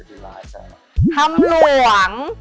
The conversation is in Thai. ธรรมลวง